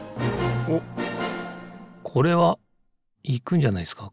おっこれはいくんじゃないですか